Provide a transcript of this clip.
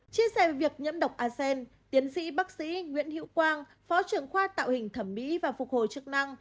chia sẻ việc nhiễm độc acen tiến sĩ bác sĩ nguyễn hữu quang phó trưởng khoa tạo hình thẩm mỹ và phục hồi chức năng